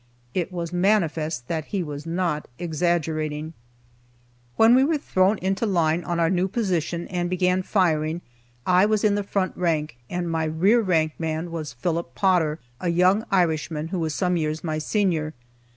It was manifest that he was not exaggerating. When we were thrown into line on our new position and began firing, I was in the front rank, and my rear rank man was Philip Potter, a young Irishman, who was some years my senior.